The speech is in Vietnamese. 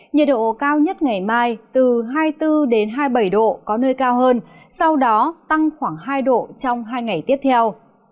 nhiệt độ cao nhất ngày mai từ hai mươi bốn hai mươi bảy độ có nơi cao hơn sau đó tăng khoảng hai độ trong hai ngày tiếp theo